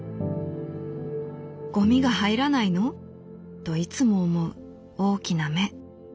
ゴミが入らないの？といつも思う大きな目。